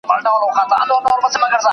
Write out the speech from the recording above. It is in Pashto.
زه مخکي مڼې خوړلي وو.